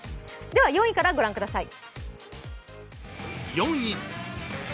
では、４位から御覧ください。